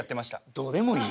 どうでもいい。